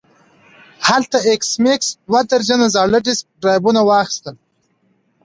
هلته ایس میکس دوه درجن زاړه ډیسک ډرایوونه واخیستل